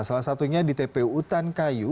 salah satunya di tpu utankayu